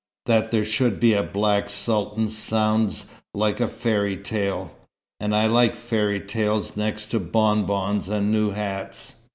That there should be a Black Sultan sounds like a fairy tale. And I like fairy tales next to bon bons and new hats."